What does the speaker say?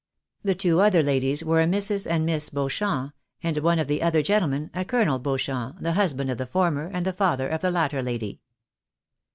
The two other ladies were a Mrs. and Miss Beauchamp, and one of the other gentlemen, a Colonel Beauchamp, the hirsband of the former, and the father of the latter lady.